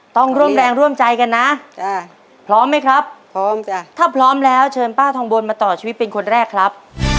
ต้องร่วมแรงร่วมใจกันนะจ้ะพร้อมไหมครับพร้อมจ้ะถ้าพร้อมแล้วเชิญป้าทองบนมาต่อชีวิตเป็นคนแรกครับ